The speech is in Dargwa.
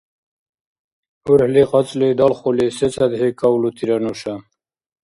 УрхӀли кьацӀли далхули сецадхӀи кавлутира нуша?